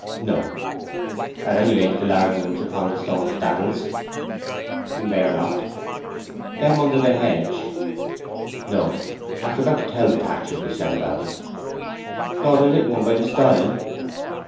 "No." "At any rate, the large ones upon the stone staddles?" "They are not." "Them under the hedge?" "No. I forgot to tell the thatcher to set about it." "Nor the little one by the stile?"